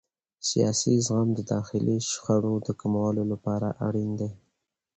سیاسي زغم د داخلي شخړو د کمولو لپاره اړین دی